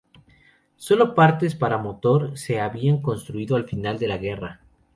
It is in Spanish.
Sólo partes para un motor se habían construido al final de la guerra.